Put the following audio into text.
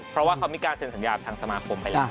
เพราะว่าเขามีการเซ็นสัญญากับทางสมาคมไปแล้ว